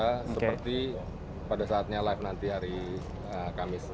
ya seperti pada saatnya live nanti hari kamis